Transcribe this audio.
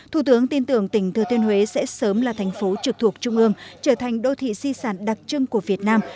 thủ tướng tin tưởng tỉnh thừa thiên huế sẽ sớm là thành phố trực thuộc trung ương trở thành đô thị di sản đặc trưng của việt nam